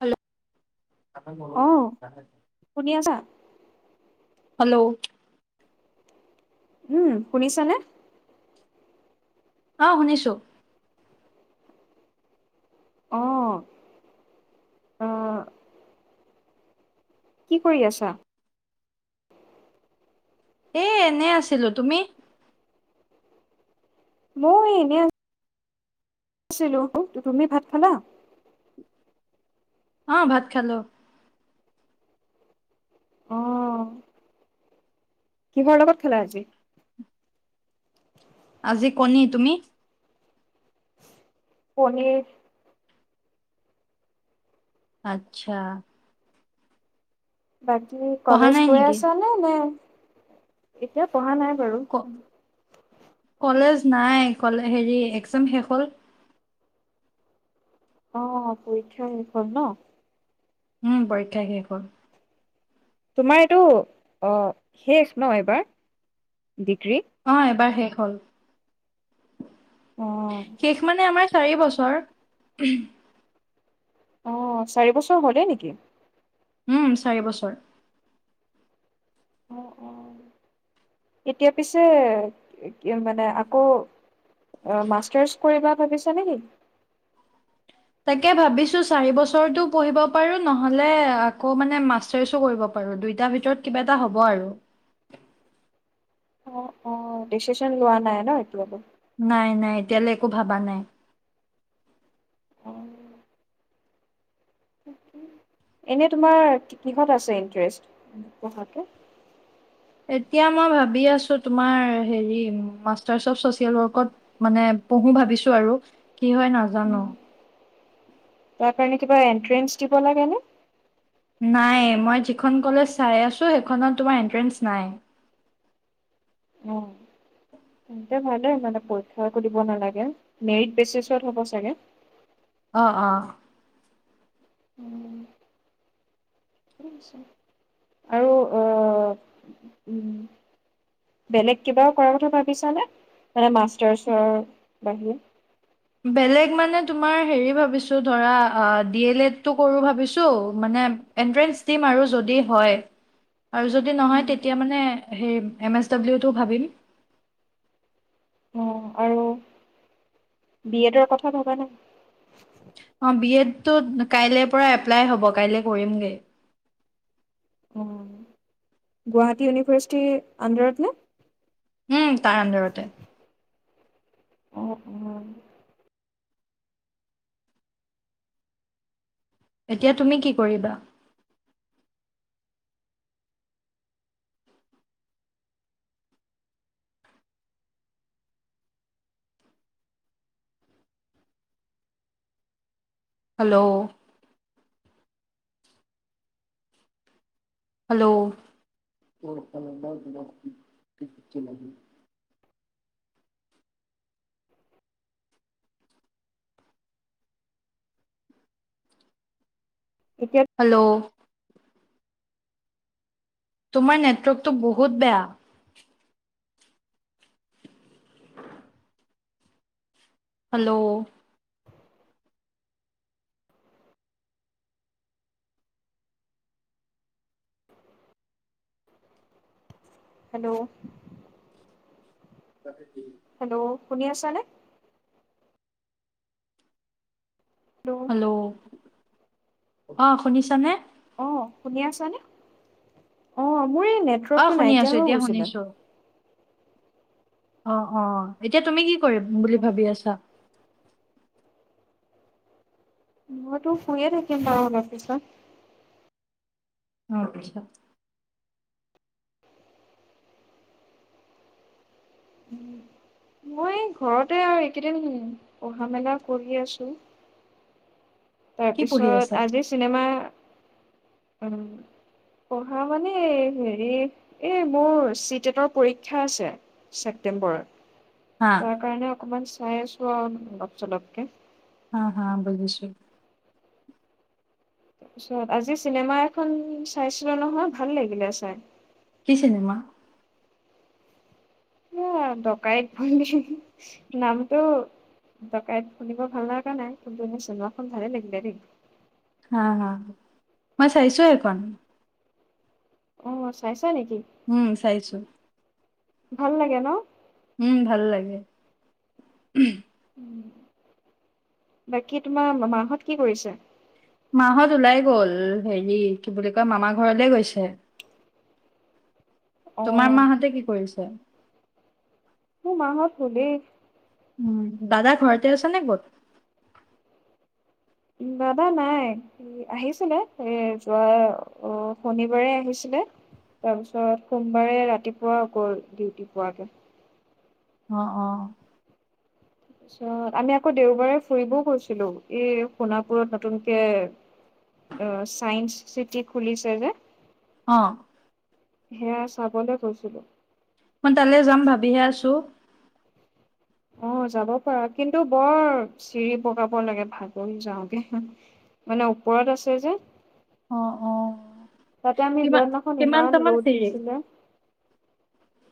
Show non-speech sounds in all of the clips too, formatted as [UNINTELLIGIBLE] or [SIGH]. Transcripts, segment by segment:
Hello অহ শুনি আছা? হেল্ল'। উম শুনিছ নে? অ শুনিছো। অঁ আহ। কি কৰি আছা? এ এনে আছিলো, তুমি? মই এনে। আছিলো, তুমি ভাত খালা? অ ভাত খালো। অহ কিহৰ লগত খেলা আজি? আজি কনী, তুমি? পনীৰ। আচ্ছা। বাকী পঢ়া কলেজ নাই গৈ নেকি আছ নে? নে এতিয়া পঢ়া নাই। বাৰু ক কলেজ নাই কলে হেৰি এক্জাম শেষ হ'ল। অঁ, পৰীক্ষা শেষ হ'ল ন। উম পৰীক্ষা শেষ হ'ল। তোমাৰ এইটো অঁ, শেষ ন এইবাৰ। ডিগ্ৰী অঁ, এবাৰ শেষ হ'ল। অ শেষ মানে আমাৰ চাৰি বছৰ অঁ, চাৰি বছৰ হ'লেই নেকি। উম, চাৰি বছৰ। অঁ, অ, এতিয়া পিছে মানে আকৌ মাষ্টাৰৰ্চ কৰিবা ভাবিছা নেকি। তাকে ভাবিছো চাৰি বছৰতো পঢ়িব পাৰো নহ'লে আকৌ মানে মাষ্টাৰছো কৰিব পাৰো, দুইটা ভিতৰত কিবা এটা হ'ব আৰু। অঁ, ডিচিশ্যন লোৱা নাই ন এতিয়ালৈ। নাই নাই এতিয়ালৈ একো ভাবা নাই। অ'। এনে তোমাৰ কিহত আছে ইণ্টাৰেষ্ট, পঢ়াটো। এতিয়া মই ভাবি আছো তোমাৰ হেৰি মাষ্টাৰ্ছ অফ চচিয়েল ৱৰ্কত মানে পঢ়ো ভাবিছো আৰু। কি হয় নাজানো। তাৰ কাৰণে কিবা এন্ট্ৰেন্ঞ্চ দিব লাগে নে। নাই মই যিখন কলেজ চাই আছোঁ সেইখনত তোমাৰ এন্ট্ৰেঞ্চ নাই। অ', তেন্তে ভালেই মানে পৰীক্ষা একো দিব নালাগে, মেৰিট বেচিছত হ'ব চাগে। অঁ, অঁ। [UNINTELLIGIBLE] আৰু উম বেলেগ কিবাও কৰাৰ কথা ভাবিছানে, মানে মাষ্টাৰছৰ বাহিৰে। বেলেগ মানে তোমাৰ হেৰি ভাবিছোঁ ধৰা ডি এল এডটো কৰোঁ ভাবিছোঁ মানে এন্ট্ৰেন্ঞ্চ দিম আৰু যদি হয় আৰু যদি নহয় তেতিয়া মানে হ এম এছ ডাব্লিউটো ভাবিম। অ', আৰু বি এডৰ কথা ভবা নাই। অ বি এডটো কাইলেৰ পৰা এপ্লাই হ'ব কাইলে কৰিমগে। অঁ, গুৱাহাটী ইউনিভাৰ্চিটিৰ আণ্ডাৰত নে। উম তাৰ আণ্ডাৰতে। অঁ, অঁ। এতিয়া তুমি কি কৰিবা। হেল্ল'। হেল্ল। এতিয়া হেল্ল'। তোমাৰ নেটৱৰ্কটো বহুত বেয়া। [INAUDIBLE] হেল্ল'। হেল্ল'। [INAUDIBLE] হেল্ল' শুনি আছানে। হেল্ল'। অঁ শুনিছা নে। অঁ শুনি আছা নে, অঁ মোৰ এই অ নেটৱৰ্কটো শুনি নাইকিয়া আছো হৈ এতিয়া গৈছিলে। শুনিছো অ', - অ ', এতিয়া তুমি কি? -কৰিম বুলি ভাবি আছা? মইতো শুয়ে থাকিম বাৰু অলপ পিছত। অ ', পিছত এই ঘৰতে আৰু এইকেইদিন পঢ়া- মেলা কৰি আছো। কি পঢ়ি আছা তাৰপিছত আজি চিনেমা, উম, পঢ়া মানে হেৰি এই মোৰ চি-টেটৰ পৰীক্ষা আছে হা ছেপ্তেম্বৰত। তাৰ কাৰণে অকমান, চাই আছো আৰু অলপ - চলপকে, হা -হা বুজিছোঁ। তাৰপিছত আজি চিনেমা এখন চাইছিলো নহয়, ভাল লাগিলে চাই। কি চিনেমা? এ ', ডকাইত বুলি, নামটো ডকাইত শুনিব ভাল লগা নাই কিন্তু এনে চিনেমাখন ভালে লাগিলে দেই। হা-হা মই চাইছো এইখন। অ', চাইছো। উম, চাইছো। ভাল লাগে ন', উম, ভাল লাগে। বাকী তোমাৰ মাহত কি কৰিছে? মাহত ওলাই গল হেৰি কি বুলি কয় মামাৰ ঘৰলে গৈছে? তোমাৰ অ' মাহঁতে কি কৰিছে? মোৰ মা-হত শুলেই। উম', দাদা ঘৰতে আছে নে, গত? দাদা নাই আহিছিলে। এ', যোৱা শনিবাৰে আহিছিলে তাৰপিছত সোমবাৰে ৰাতিপুৱা গল ডিউটি পোৱাকে। অ', - অ', তাৰপিছত আমি আকৌ দেওবাৰে ফুৰিবও গৈছিলোঁ। এই সোণাপুৰত নতুনকে চাইন্স চিটি খুলিছে যে, অহ, সেয়া চাবলৈ গৈছিলো। মই তালৈ যাম ভাবিহে আছো। অহ, 'যাব পাৰা কিন্তু বৰ চিৰি বগাব লাগে ভাগৰি যাওঁগে, মানে ওপৰত আছে যে। অ', অ', তাতে আমি কিমান যাৱাদিনাখন ইমান কিমানটামান ৰদ চিৰি? দিছিলে।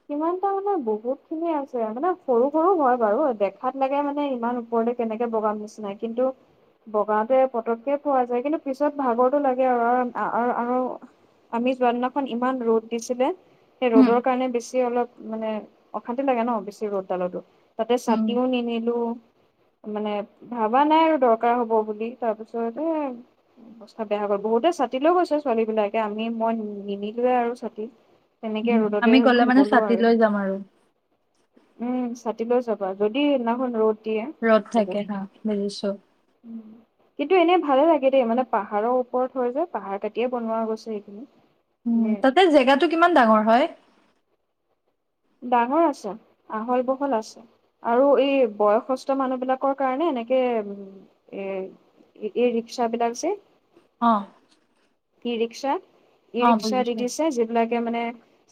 কিমানটা মানে বহুত খিনি আছে মানে সৰু, সৰু, হয় বাৰু দেখাত লাগে মানে ইমান ওপৰলে কেনেকে বগাম নিচিনা। কিন্তু বগাওতে পটককে পোৱা যায় কিন্তু পিছত ভাগৰটো লাগে আৰু -, আৰু আমি যোৱা দিনাখন ইমান ৰ'দ দিছিলে সেই উম। ৰ'দৰ কাৰণে বেছি অলপ মানে অশান্তি লাগে ন ', বেছি ৰ'দালতো, তাতে উম, ছাতিও নিনিলো মানে ভাবা নাই আৰু দৰকাৰ হ'ব বুলি তাৰ পিছতে এ ', অৱস্থা বেয়া হৈ গল, বহুতে ছাতিলেও গৈছে ছোৱালী বিলাকে। এ', আমি মই নিনিলোৱে আৰু ছাতি। তেনেকে উম, ৰ'দতে আমি গ'লে মানে গলো ছাতি আৰু লৈ যাম আৰু উম', ছা, ছাতি লৈ চাবা যদি সিদিনাখন ৰ'দ, দিয়ে ৰদ থাকে বহুত হা', বুজিছো। কিন্তু এনেই ভালে লাগে দেই, মানে পাহাৰৰ ওপৰত হয় যে, পাহাৰ কাটিয়ে বনোৱা বস্তু। যে কিনি। উম ', তাতে জেগাটো কিমান ডাঙৰ হয়? ডাঙৰ আছে। আহল- বহল আছে আৰু এই বয়সস্থ মানুহ বিলাকৰ কাৰণে এনেকে উম, এ, এই ৰিক্সাবলাক যে, অ কি ৰিক্সা ই অ', ৰিক্সা দি বুজিছো দিছে যিবিলাক থাকে মানে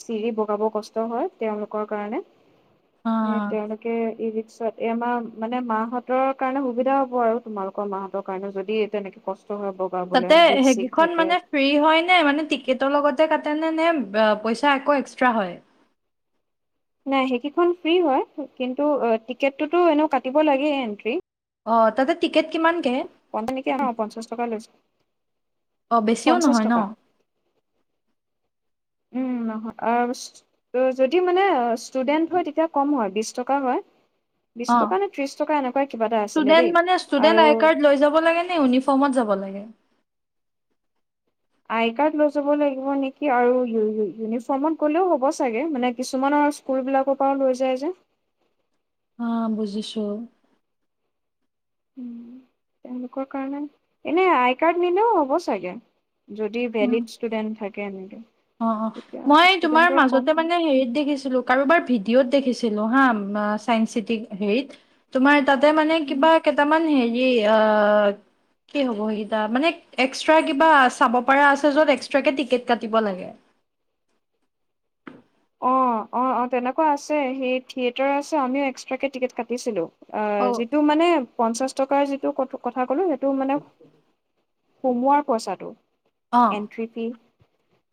চিৰি বগাব কষ্ট হয় তেওঁলোকৰ কাৰণে অ'। তেওঁলোকে ই ৰিক্সা এই আমাৰ মানে মাহঁতৰ কাৰণে সুবিধা হ'ব আৰু তোমালোকৰ মাহঁতৰ কাৰণে যদি তেনেকে কষ্ট হয় বগাবলে তাতে বিষ চিষ হেইকেখন থাকে মানে ফ্ৰী হয় নে মানে টিকেটৰ লগতে কা তেনে নে পইচা আকৌ এক্সট্ৰা হয় নাই সেইকেইখন ফ্ৰী হয় কিন্তু টিকেটটোতো এনেও কাটিব লাগেই এণ্ট্ৰি অ তাতে টিকেট কিমান নেকি অ পঞ্চাশ টকা লৈছে অ', বেছিও পঞ্চাশ নহয় ন? টকা উম নহয় আহ যদি মানে ষ্টুডেন্ট হয় তেতিয়া কম হয় বিশ টকা হয় বিশ অ টকা নে ত্ৰিশ টকা এনেকুৱা কিবা এটা আছিলে ষ্টুডেন্ট দেই মানে ষ্টুডেন্ট আয় আৰু কাৰ্ড লৈ যাব লাগে নে ইউনিফৰ্মত যাব যাব লাগে আই কাৰ্ড লৈ যাব লাগিব নেকি আৰু ইউ ইউনিফৰ্মত গ'লেও হ'ব চাগে মানে কিছুমানৰ স্কুলবিলাকৰ পৰা লৈ যায় যে অ বুজিছো তেওঁলোকৰ কাৰণে এনে আই কাৰ্ড নিলেও হ'ব চাগে যদি উম। ভেলিড ষ্টুডেন্ট হয় কে আনিলো অ অ মই তোমাৰ মাজতে হয় মানে হেৰিত দেখিছিলো কাৰোবাৰ ভিডিঅত দেখিছিলো ছিলো বা মা চাইন চেতিং হেৰীত তোমাৰ তাতে মানে কিবা কেইটামান হেৰী হ অ কি হ'ব সেইকেইটা মানে এক্সট্ৰা কিবা চাব পাৰা আছে য'ত এক্সট্ৰা কে টিকেট কাটিব লাগে অঁ অঁ অঁ তেনেকুৱা আছে সেই থিয়েটাৰ আছে আমিও এক্সট্ৰাকে টিকেট কাটিছিলোঁ অ যিটো মানে পঞ্চাশ টকাৰ যিটো ক কথা কলো সেইটো সেইটো মানে সোমোৱাৰ পইচাটো অ এণ্ট্ৰি ফি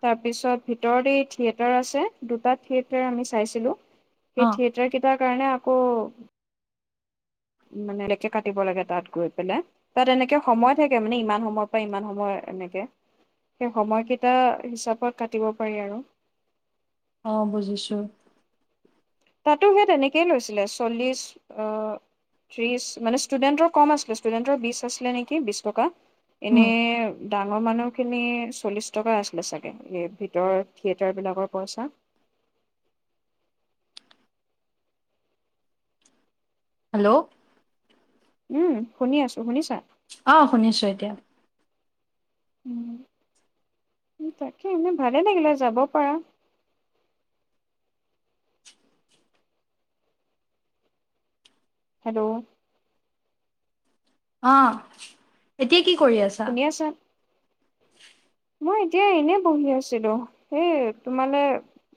তাৰপিছত ভিতৰত এই থিয়েটাৰ আছে দুটা থিয়েটাৰ আমি চাইছিলো অ সেই থিয়েটাৰ কেইটা কাৰণে আকৌ মানে এনেকে কাটিব লাগে তাত গৈ পেলাই তাত এনেকে সময় থাকে মানে ইমান সময়ৰ পৰা ইমান সময় এনেকে সেই সময়কেইটা হিচাপত কাটিব পাৰি আৰু অ বুজিছো তাতো সেই তেনেকেই লৈছিলে চল্লিছ অ ত্ৰিশ মানে ষ্টুডেণ্টৰ কম আছিলে ষ্টুডেণ্টৰ বিশ আছিলে নেকি বিশ টকা উম এনেই ডাঙৰ মানুহখিনি চল্লিছ টকা আছিলে চাগে এই ভিতৰৰ থিয়েটাৰবিলাকৰ পইচা হেল্ল' উম শুনি আছো শুনিছা অ শুনিছো এতিয়া উ তাকে এনেই ভালে লাগিলে যাব পাৰা হেল্ল' অ এতিয়া কি কৰি আছা হুমচ মই এতিয়া এনে বহি আছিলো সেই তোমালে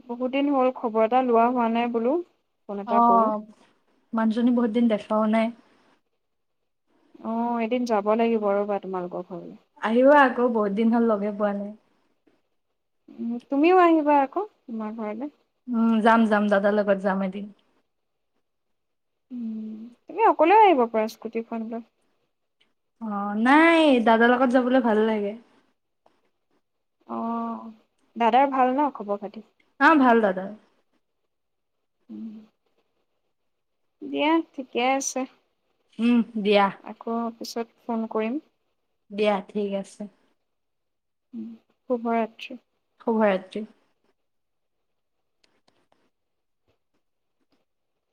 বহুত দিন হ'ল খবৰ এটা লোৱা হোৱা নাই বোলো ফোন এটা অ কৰো মানুহজনী বহুত দিন দেখাও নাই অ এদিন যাব লাগিব ৰ'বা তোমালোকৰ ঘৰ আহিব আকৌ বহুত দিন হ'ল লগে পোৱা নাই উম তুমিও আহিবা আকৌ আমাৰ ঘৰলে উম যাম যাম দাদাৰ লগত যাম এদিন তুমি অকলেও আহিব পাৰা স্কুটিখন লৈ অ নাই দাদাৰ লগত যাবলৈ ভাল লাগে অ দাদাৰ ভাল ন খবৰ খাতি অহ ভাল দাদাৰ দিয়া ঠিকে আছে উম দিয়া আকৌ পিছত ফোন কৰিম দিয়া ঠিক আছে শুভৰাত্ৰি শুভৰাত্ৰি